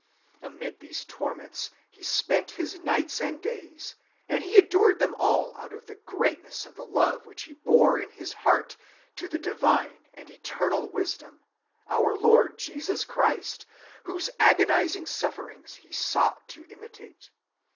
Amid these torments he spent his nights and days; and he endured them all out of the greatness of the love which he bore in his heart to the Divine and Eternal Wisdom, our Lord Jesus Christ, whose agonizing sufferings he sought to imitate.